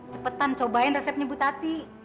cepetan cobain resepnya bu tati